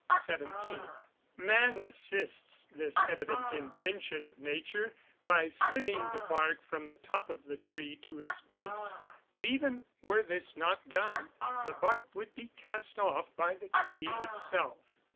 XVII.] Man assists this evident intention of nature, by slitting the bark from the top of the tree to its base; but even were this not done, the bark would be cast off by the tree itself.